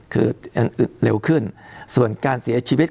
คือเร็วขึ้นส่วนการเสียชีวิต